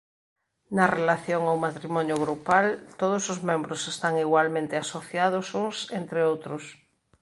Na relación ou matrimonio grupal todos os membros están igualmente asociados uns entre outros.